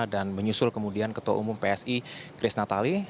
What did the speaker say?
dan menyusul kemudian ketua umum psi kris natali